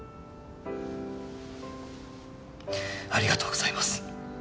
ありがとうございます。